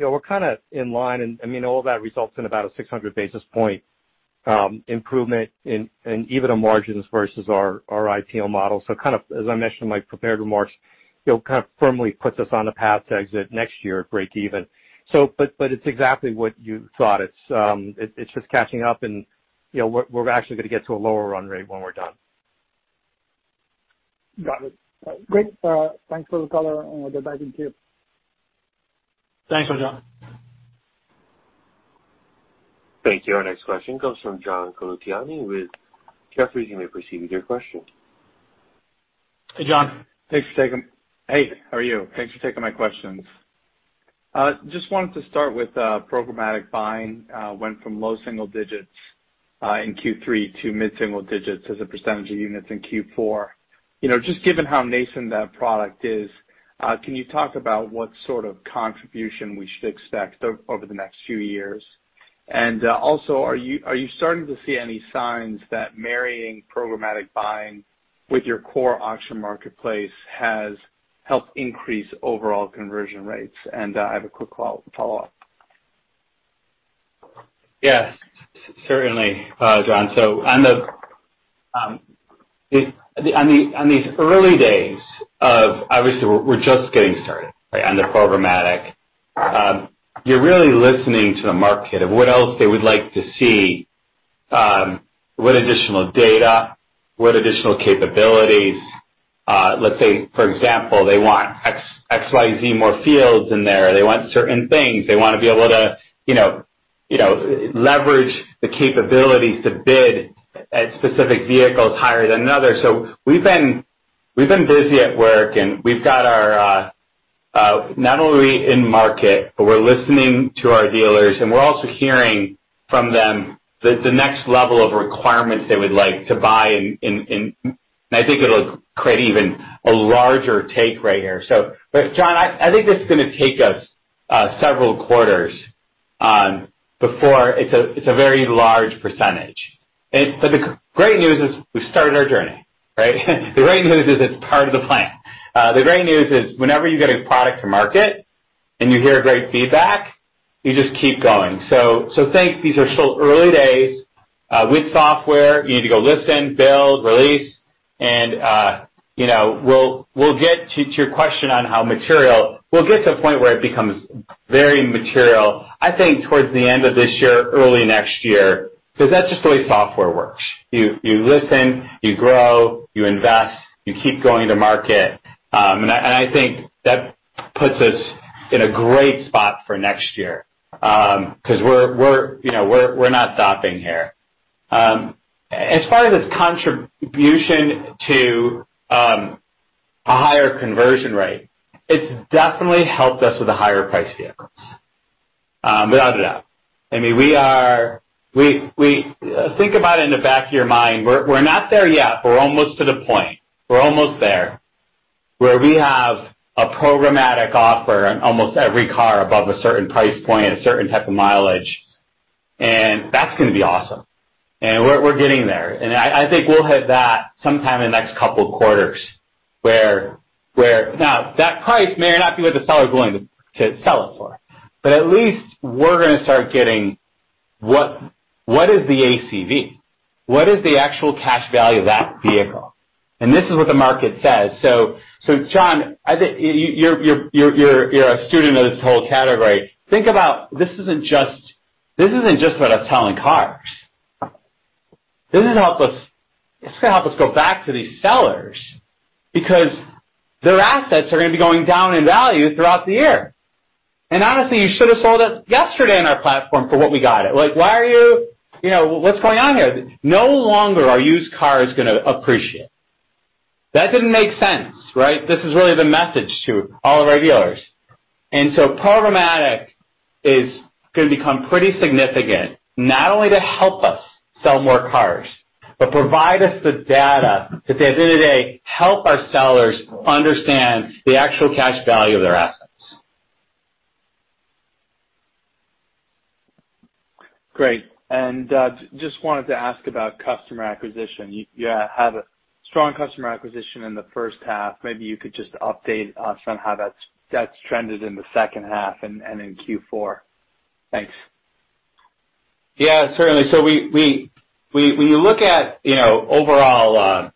S4: know, we're kinda in line and, I mean, all of that results in about a 600 basis point improvement in even on margins versus our IPO model. Kind of, as I mentioned in my prepared remarks, you know, kind of firmly puts us on a path to exit next year at breakeven. But it's exactly what you thought. It's just catching up and, you know, we're actually gonna get to a lower run rate when we're done.
S9: Got it. Great. Thanks for the color, and we'll get back in queue.
S4: Thanks, Rajat.
S1: Thank you. Our next question comes from John Colantuoni with Jefferies. You may proceed with your question.
S4: Hey, John. How are you?
S10: Thanks for taking my questions. Just wanted to start with programmatic buying went from low single digits in Q3 to mid-single digits as a percentage of units in Q4. You know, just given how nascent that product is, can you talk about what sort of contribution we should expect over the next few years? Also, are you starting to see any signs that marrying programmatic buying with your core auction marketplace has helped increase overall conversion rates? I have a quick follow-up.
S3: Yes. Certainly, John. On these early days of obviously we're just getting started, right, on the programmatic. You're really listening to the market of what else they would like to see, what additional data, what additional capabilities. Let's say, for example, they want X-X, Y, Z, more fields in there. They want certain things. They wanna be able to, you know, leverage the capabilities to bid at specific vehicles higher than another. We've been busy at work, and we've got our not only in market, but we're listening to our dealers, and we're also hearing from them the next level of requirements they would like to buy in. I think it'll create even a larger take rate here. John, I think this is gonna take us several quarters before it's a very large percentage. The great news is we've started our journey, right? The great news is it's part of the plan. The great news is whenever you get a product to market and you hear great feedback, you just keep going. Think these are still early days. With software, you need to go listen, build, release, and you know, we'll get to your question on how material. We'll get to a point where it becomes very material, I think towards the end of this year, early next year, because that's just the way software works. You listen, you grow, you invest, you keep going to market. I think that puts us in a great spot for next year, 'cause we're, you know, we're not stopping here. As far as its contribution to a higher conversion rate, it's definitely helped us with the higher priced vehicles. Without a doubt. I mean, we are. Think about it in the back of your mind. We're not there yet, but we're almost to the point. We're almost there, where we have a programmatic offer on almost every car above a certain price point and a certain type of mileage. That's gonna be awesome. We're getting there. I think we'll hit that sometime in the next couple of quarters where Now, that price may not be what the seller is willing to sell it for, but at least we're gonna start getting what is the ACV? What is the actual cash value of that vehicle? This is what the market says. John, I think you're a student of this whole category. Think about, this isn't just about us selling cars. This is to help us, it's gonna help us go back to these sellers because their assets are gonna be going down in value throughout the year. Honestly, you should've sold us yesterday on our platform for what we got it. Like, why are you? You know, what's going on here? No longer are used cars gonna appreciate. That didn't make sense, right? This is really the message to all of our dealers. Programmatic is gonna become pretty significant, not only to help us sell more cars, but provide us the data that at the end of the day, help our sellers understand the actual cash value of their assets.
S10: Great. Just wanted to ask about customer acquisition. You have a strong customer acquisition in the first half. Maybe you could just update us on how that's trended in the second half and in Q4. Thanks.
S3: Yeah, certainly. We when you look at, you know, overall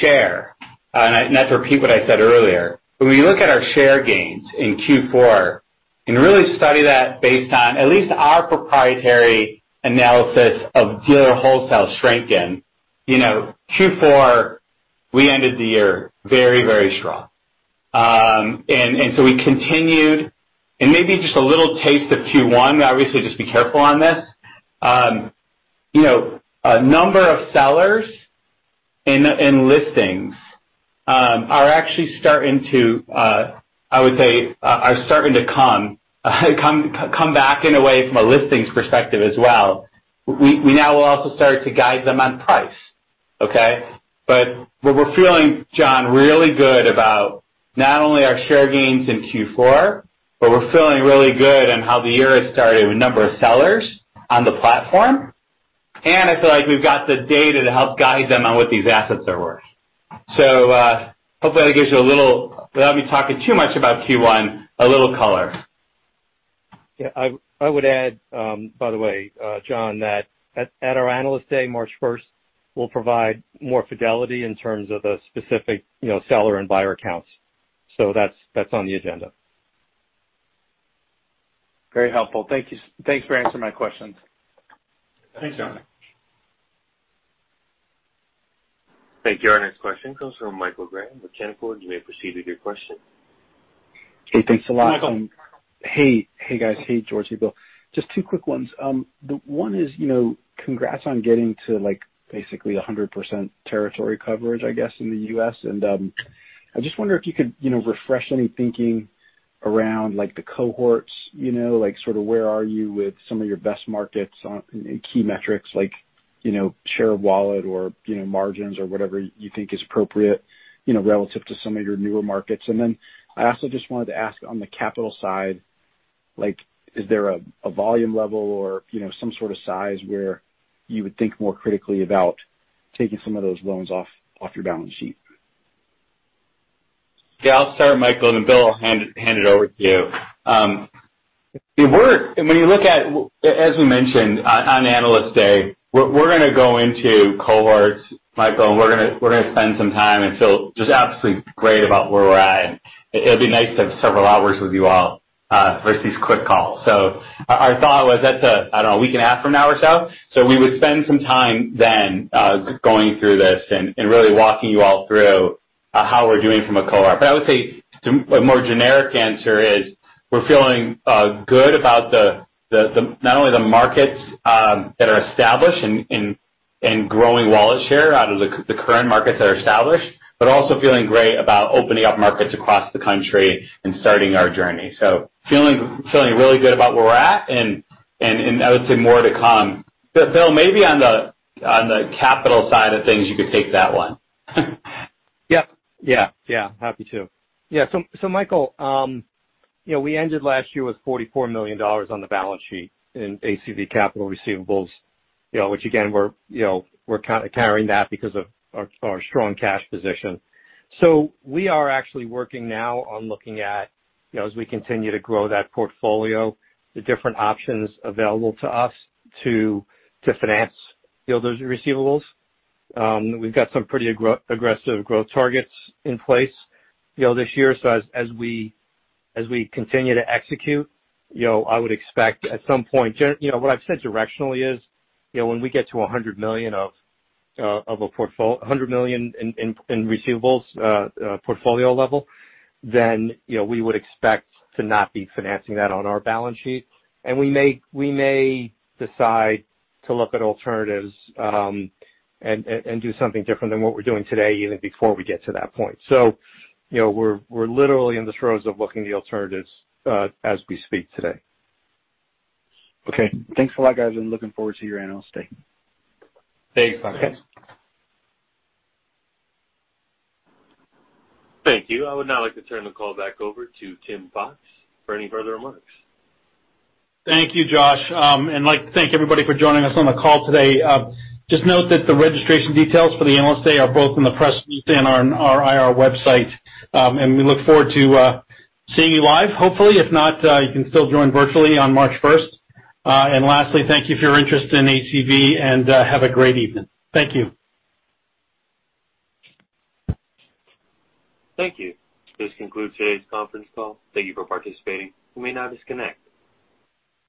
S3: share, and not to repeat what I said earlier, when we look at our share gains in Q4 and really study that based on at least our proprietary analysis of dealer wholesale strength in, you know, Q4, we ended the year very, very strong. We continued and maybe just a little taste of Q1, obviously just be careful on this. You know, a number of sellers in listings are actually starting to, I would say, are starting to come back in a way from a listings perspective as well. We now will also start to guide them on price. Okay? What we're feeling, John, really good about not only our share gains in Q4, but we're feeling really good on how the year has started with number of sellers on the platform. I feel like we've got the data to help guide them on what these assets are worth. Hopefully that gives you a little, without me talking too much about Q1, a little color.
S4: Yeah. I would add, by the way, John, that at our Analyst Day, March first, we'll provide more fidelity in terms of the specific, you know, seller and buyer counts. That's on the agenda.
S10: Very helpful. Thank you. Thanks for answering my questions.
S3: Thanks, John.
S4: Thanks.
S1: Thank you. Our next question comes from Michael Graham with Canaccord. You may proceed with your question.
S11: Hey, thanks a lot.
S3: Michael.
S11: Hey. Hey guys. Hey, George. Hey, Bill. Just two quick ones. The one is, you know, congrats on getting to like, basically 100% territory coverage, I guess, in the U.S. I just wonder if you could, you know, refresh any thinking around, like, the cohorts, you know. Like, sort of where are you with some of your best markets on key metrics like, you know, share of wallet or, you know, margins or whatever you think is appropriate, you know, relative to some of your newer markets. Then I also just wanted to ask on the capital side, like, is there a volume level or, you know, some sort of size where you would think more critically about taking some of those loans off your balance sheet?
S3: Yeah, I'll start, Michael, and then Bill, I'll hand it over to you. As we mentioned on Analyst Day, we're gonna go into cohorts, Michael, and we're gonna spend some time and feel just absolutely great about where we're at. It'll be nice to have several hours with you all versus quick calls. Our thought was that's a, I don't know, a week and a half from now or so. We would spend some time then going through this and really walking you all through how we're doing from a cohort. I would say a more generic answer is we're feeling good about not only the markets that are established and growing wallet share out of the current markets that are established, but also feeling great about opening up markets across the country and starting our journey. Feeling really good about where we're at and I would say more to come. Bill, maybe on the capital side of things, you could take that one.
S4: Happy to. Yeah. Michael, you know, we ended last year with $44 million on the balance sheet in ACV Capital receivables, you know, which again, we're carrying that because of our strong cash position. We are actually working now on looking at, you know, as we continue to grow that portfolio, the different options available to us to finance, you know, those receivables. We've got some pretty aggressive growth targets in place, you know, this year. We continue to execute. You know, I would expect at some point, you know, what I've said directionally is, you know, when we get to $100 million in receivables portfolio level, then, you know, we would expect to not be financing that on our balance sheet. We may decide to look at alternatives and do something different than what we're doing today even before we get to that point. You know, we're literally in the throes of looking at the alternatives as we speak today.
S11: Okay. Thanks a lot, guys, and looking forward to your Analyst Day.
S3: Thanks, Michael.
S4: Okay.
S1: Thank you. I would now like to turn the call back over to Tim Fox for any further remarks.
S2: Thank you, Josh. I'd like to thank everybody for joining us on the call today. Just note that the registration details for the Analyst Day are both in the press release and on our IR website. We look forward to seeing you live, hopefully. If not, you can still join virtually on March first. Lastly, thank you for your interest in ACV, and have a great evening. Thank you.
S1: Thank you. This concludes today's conference call. Thank you for participating. You may now disconnect.